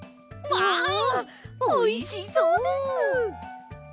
わおいしそうです！